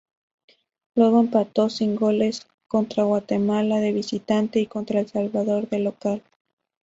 Luego empató sin goles contra Guatemala de visitante y contra El Salvador de local.